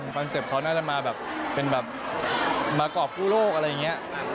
คอนเซ็ปต์เขาน่าจะมาแบบเป็นแบบมากรอบกู้โลกอะไรอย่างนี้